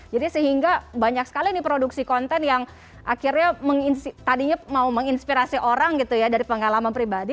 jadi sehingga banyak sekali ini produksi konten yang akhirnya tadinya mau menginspirasi orang gitu ya dari pengalaman pribadi